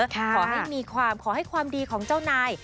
ขอให้มีความขอให้ความดีของเจ้านาย